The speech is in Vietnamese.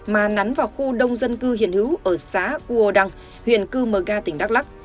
mà nắn vào khu đông dân cư hiền hữu ở xã cua đăng huyện cư mờ ga tỉnh đắk lắc